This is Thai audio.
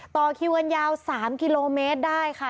ต่อคิวกันยาว๓กิโลเมตรได้ค่ะ